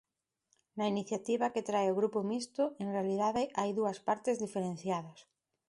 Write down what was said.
Na iniciativa que trae o Grupo Mixto, en realidade hai dúas partes diferenciadas.